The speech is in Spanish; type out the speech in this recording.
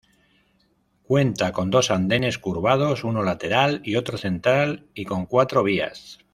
Cuenta con dos andenes curvados, uno lateral y otro central y con cuatro vías.